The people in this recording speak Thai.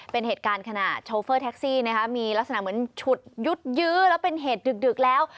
เป็นเหตุการณ์ขณะโชเฟอร์แท็กซี่นะคะมีลักษณะเหมือนฉุดยุดยื้อแล้วเป็นเหตุดึกแล้ว